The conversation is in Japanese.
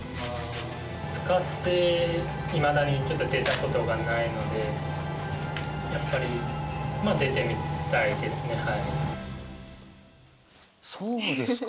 ２日制いまだにちょっと出たことがないのでやっぱりそうですか。